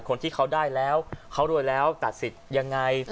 คนที่เขาได้แล้วเขารวยแล้วตัดสิทธิ์ยังไง